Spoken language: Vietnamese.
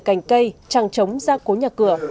cành cây trăng trống ra cố nhà cửa